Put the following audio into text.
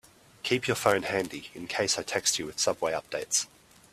Keep your phone handy in case I text you with subway updates.